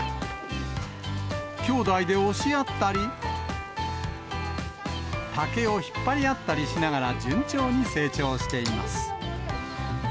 きょうだいで押し合ったり、竹を引っ張り合ったりしながら順調に成長しています。